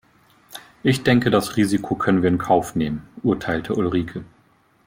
Ich denke das Risiko können wir in Kauf nehmen, urteilte Ulrike.